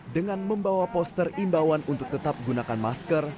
dengan membawa poster imbauan untuk tetap gunakan masker